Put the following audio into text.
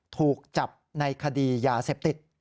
ถูกจับในคดียาเสพติด